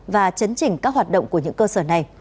và chấn chỉnh các hoạt động của những cơ sở này